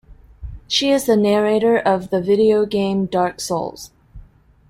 She is the narrator of the video game Dark Souls.